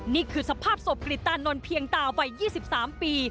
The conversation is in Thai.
นี่คือสภาพศพกริตานนท์เพียงตาวัย๒๓ปี